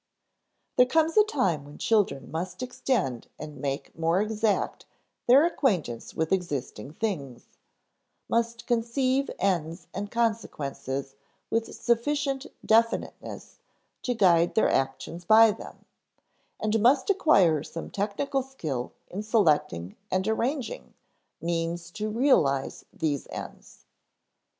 There comes a time when children must extend and make more exact their acquaintance with existing things; must conceive ends and consequences with sufficient definiteness to guide their actions by them, and must acquire some technical skill in selecting and arranging means to realize these ends.